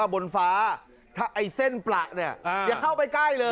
บนฟ้าถ้าไอ้เส้นประเนี่ยอย่าเข้าไปใกล้เลย